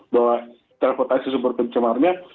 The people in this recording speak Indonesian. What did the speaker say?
bahwa teleportasi sumber pencemarnya